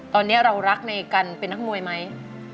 ตอนนี้เรารักในการเป็นนักมวยไหม